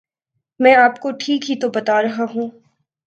میں آپ کو ٹھیک ہی تو بتارہا ہوں